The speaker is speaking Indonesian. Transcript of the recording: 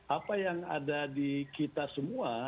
apa yang ada di kita semua